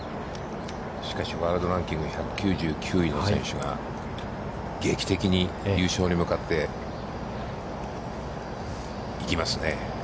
しかしワールドランキング１９９位の選手が、劇的に優勝に向かって行きますね。